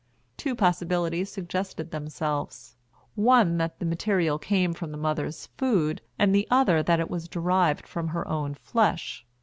Two possibilities suggested themselves: one that the material came from the mother's food and the other that it was derived from her own flesh.